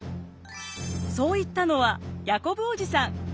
そう言ったのはヤコブ叔父さん。